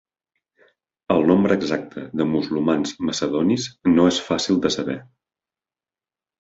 El nombre exacte de musulmans macedonis no és fàcil de saber.